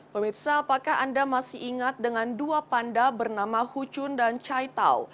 pemirsa apakah anda masih ingat dengan dua panda bernama huchun dan chaitau